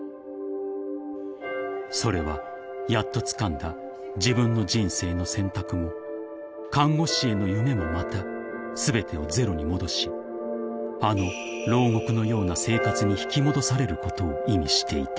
［それはやっとつかんだ自分の人生の選択も看護師への夢もまた全てをゼロに戻しあの牢獄のような生活に引き戻されることを意味していた］